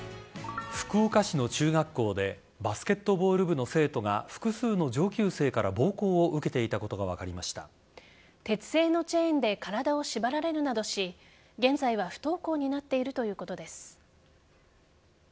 福岡市の中学校でバスケットボールの生徒が複数の上級生から暴行を受けていたことが鉄製のチェーンで体を縛られるなどし現在は不登校になっているということです。